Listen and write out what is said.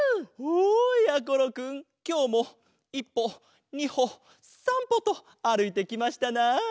きょうも１ぽ２ほ３ぽとあるいてきましたな。